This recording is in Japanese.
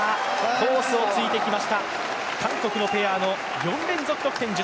コースをついてきました。